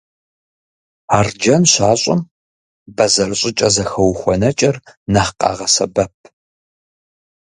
Арджэн щащӏым, бэзэр щӏыкӏэ зэхэухуэнэкӏэр нэхъ къагъэсэбэп.